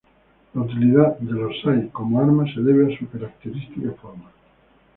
La utilidad de los sai como arma se debe a su característica forma.